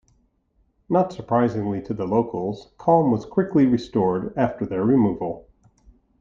Not surprisingly to the locals, calm was quickly restored after their removal.